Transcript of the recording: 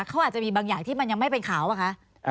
เขาอาจจะมีบางอย่างที่มันยังไม่เป็นข่าวป่ะคะ